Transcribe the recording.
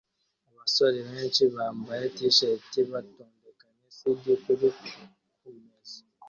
Abasore benshi bambaye t-shati batondekanya CD kuri kumeza